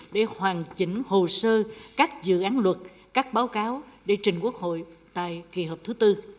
để hoàn chỉnh hồ sơ các dự án luật các báo cáo để trình quốc hội tại kỳ họp thứ tư